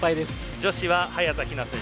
女子は早田ひな選手